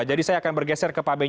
jadi saya akan bergeser ke pak benyamin